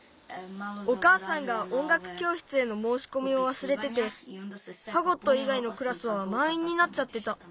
おかあさんがおんがくきょうしつへのもうしこみをわすれててファゴットいがいのクラスはまんいんになっちゃってた。